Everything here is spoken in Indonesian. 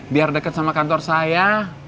biar dekat sama kantor saya